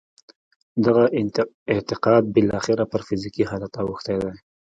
دغه اعتقاد بالاخره پر فزیکي حالت اوښتی دی